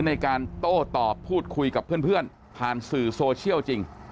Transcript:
ในการโต้ตอบพูดคุยกับเพื่อนผ่านสื่อโซเชียลจริง